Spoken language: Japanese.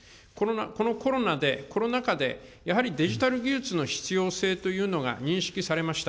このコロナで、コロナ禍で、やはりデジタル技術の必要性というのが認識されました。